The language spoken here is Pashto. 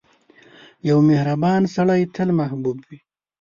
• یو مهربان سړی تل محبوب وي.